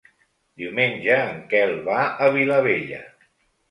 Diumenge en Quel va a Vilabella.